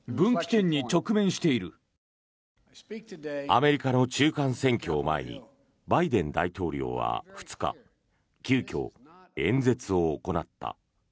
アメリカの中間選挙を前にバイデン大統領は２日急きょ、演説を行った。